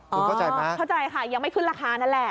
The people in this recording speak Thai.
เข้าใจป่ะเข้าใจค่ะยังไม่ขึ้นราคานั่นแหละ